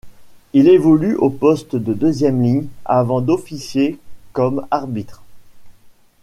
Il évolue au poste de deuxième ligne avant d'officier comme arbitre.